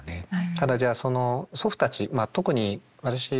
ただじゃあその祖父たちまあ特に私がね